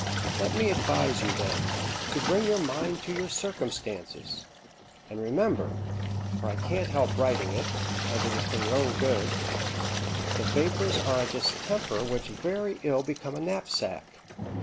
Let me advise you, then, to bring your mind to your circumstances, and remember (for I can't help writing it, as it is for your own good) the vapours are a distemper which very ill become a knapsack.